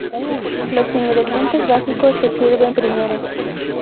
Los ingredientes básicos se sirven primero.